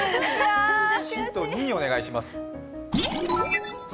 ヒント２、お願いします。